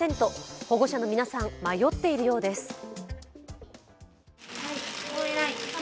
保護者の皆さん、迷っているようです。